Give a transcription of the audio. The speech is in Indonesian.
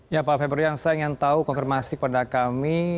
ya pak febrian saya ingin tahu konfirmasi kepada kami